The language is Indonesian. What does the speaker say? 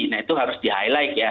nah itu harus di highlight ya